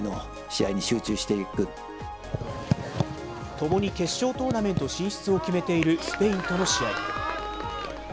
ともに決勝トーナメント進出を決めているスペインとの試合。